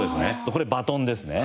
これバトンですね。